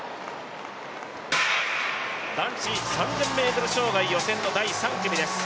男子３０００ｍ障害予選の第３組です。